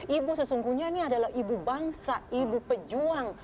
ibu sesungguhnya ini adalah ibu bangsa ibu pejuang